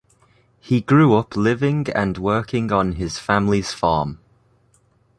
He grew up living and working on his family's farm.